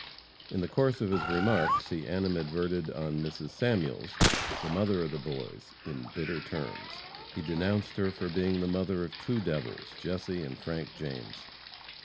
In the course of his remarks he animadverted on Mrs. Samuels, the mother of the boys, in bitter terms. He denounced her as being "the mother of two devils, Jesse and Frank James."